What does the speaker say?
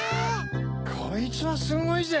こいつはすごいぜ！